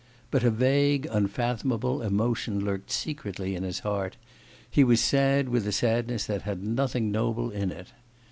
But a vague, unfathomable emotion lurked secretly in his heart; he was sad with a sadness that had nothing noble in it.